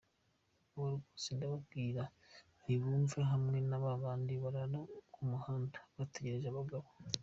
Abo rwose ndababwira ntibumve hamwe na ba bandi barara ku muhanda bategereje abagabo.